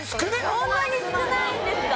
そんなに少ないんですか！？